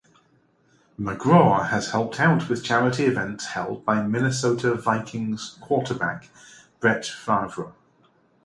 McGraw has helped out with charity events held by Minnesota Vikings quarterback Brett Favre.